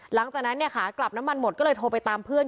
หลังจากนั้นเนี่ยขากลับน้ำมันหมดก็เลยโทรไปตามเพื่อน